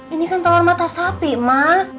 ini kan telur mata sapi ma